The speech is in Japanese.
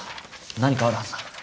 何かあるはずだ。